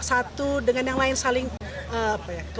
dan bagaimana satu dengan yang lain saling kelebihan dan kekurangan